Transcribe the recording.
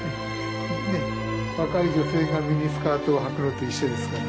若い女性がミニスカートをはくのと一緒ですから。